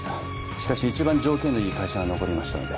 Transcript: しかし一番条件のいい会社が残りましたので